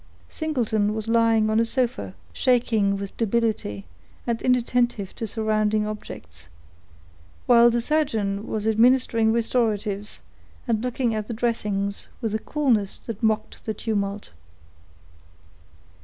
Singleton was lying on a sofa, shaking with debility, and inattentive to surrounding objects; while the surgeon was administering restoratives, and looking at the dressings, with a coolness that mocked the tumult.